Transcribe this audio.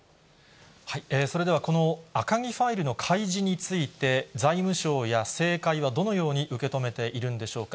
それでは、この赤木ファイルの開示について、財務省や政界はどのように受け止めているんでしょうか。